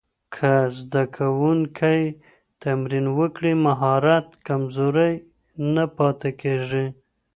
که زده کوونکی تمرین وکړي، مهارت کمزوری نه پاتې کېږي.